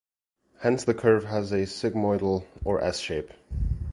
Hence the curve has a sigmoidal or S-shape.